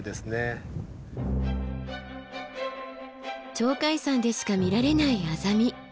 鳥海山でしか見られないアザミ。